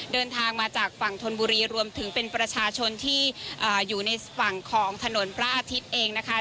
เดินทางมาจากฝั่งธนบุรีรวมถึงเป็นประชาชนที่อยู่ในฝั่งของถนนพระอาทิตย์เองนะคะ